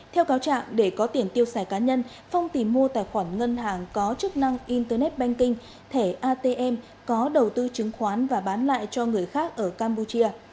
theo cáo trạng để có tiền tiêu xài cá nhân phong tìm mua tài khoản ngân hàng có chức năng internet banking thẻ atm có đầu tư chứng khoán và bán lại cho người khác ở campuchia